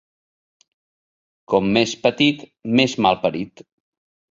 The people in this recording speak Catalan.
Com més petit més malparit.